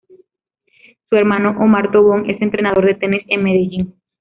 Su hermano Omar Tobón es entrenador de tenis en Medellín.